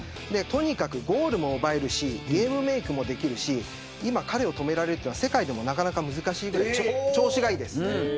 とにかくゴールも奪えるしゲームメークもできるし今、彼を止められるのは世界でも難しいというぐらい調子がいいです。